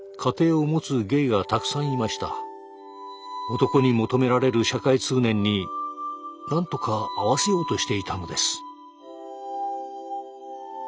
男に求められる社会通念になんとか合わせようとしていたのです。